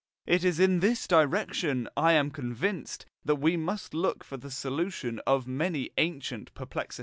It is in this direction, I am convinced, that we must look for the solution of many ancient perplexities.